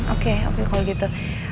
oke oke kalau gitu